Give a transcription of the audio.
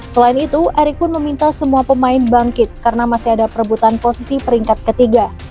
selain itu erick pun meminta semua pemain bangkit karena masih ada perebutan posisi peringkat ketiga